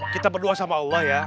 kita berdoa sama allah ya